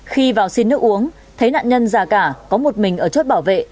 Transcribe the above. khi vào xin nước uống thấy nạn nhân già cả có một mình ở chốt bảo vệ